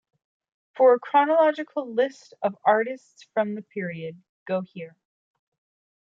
For a chronological list of artists from the period, go here.